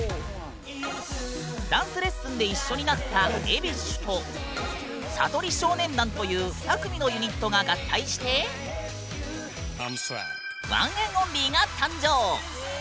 ダンスレッスンで一緒になった「ＥＢｉＳＳＨ」と「さとり少年団」という２組のユニットが合体してＯＮＥＮ’ＯＮＬＹが誕生。